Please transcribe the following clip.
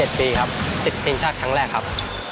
ปีนี้เป็นปีแรกครับในฐานะตัวแทนทีมชาติไทยครับ